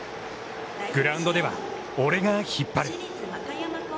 グラウンドでは俺が引っ張る。